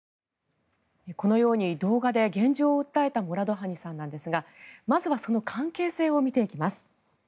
このように動画で現状を訴えたモラドハニさんなんですがまずはその関係性を見ていきます。